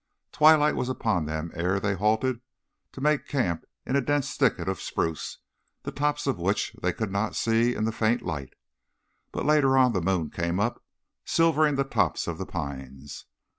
Twilight was upon them ere they halted to make camp in a dense thicket of spruce, the tops of which they could not see in the faint light, but later on the moon came up, silvering the tops of the pines.